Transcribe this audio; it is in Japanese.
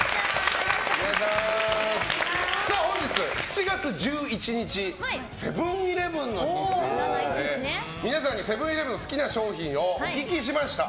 本日、７月１１日セブン‐イレブンの日ということで皆さんに好きな商品をお聞きしました。